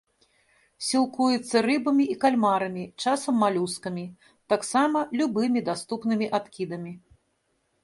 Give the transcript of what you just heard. Сілкуецца рыбамі і кальмарамі, часам малюскамі, таксама любымі даступнымі адкідамі.